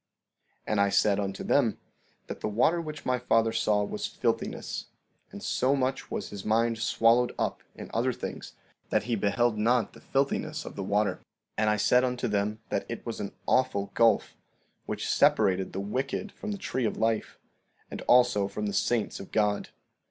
15:27 And I said unto them that the water which my father saw was filthiness; and so much was his mind swallowed up in other things that he beheld not the filthiness of the water. 15:28 And I said unto them that it was an awful gulf, which separated the wicked from the tree of life, and also from the saints of God.